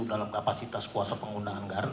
dalam kapasitas kuasa pengguna anggaran